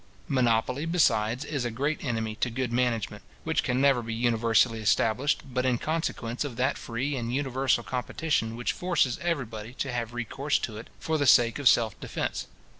Monopoly, besides, is a great enemy to good management, which can never be universally established, but in consequence of that free and universal competition which forces every body to have recourse to it for the sake of self defence.